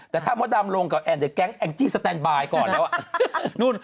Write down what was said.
แต่ถ้าพ่อดามลงกับแองเดิร์และแก๊งแองจี้สแทนบายก่อนแล้ว